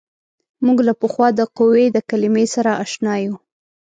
موږ له پخوا د قوې د کلمې سره اشنا یو.